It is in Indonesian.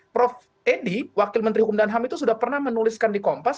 prof edi wakil menteri hukum dan ham itu sudah pernah menuliskan di kompas